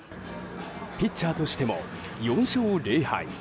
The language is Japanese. ピッチャーとしても４勝０敗。